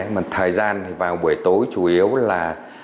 mà thời gian vào buổi tối chủ yếu là